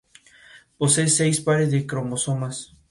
Posee seis pares de cromosomas.